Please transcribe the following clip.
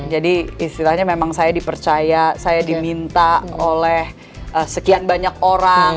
jadi istilahnya memang saya dipercaya saya diminta oleh sekian banyak orang